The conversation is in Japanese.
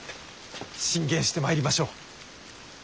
進言してまいりましょう！